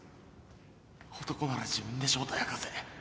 男なら自分で正体明かせ